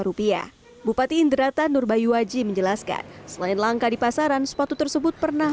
rupiah bupati indrata nur bayu aji menjelaskan selain langkah di pasaran sepatu tersebut pernah